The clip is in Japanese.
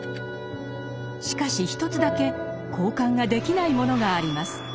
しかし一つだけ交換ができないものがあります。